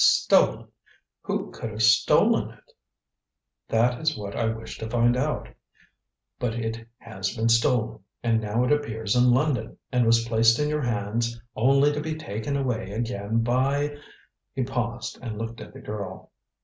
"Stolen! Who could have stolen it?" "That is what I wish to find out. But it has been stolen, and now it appears in London, and was placed in your hands only to be taken away again by " He paused and looked at the girl.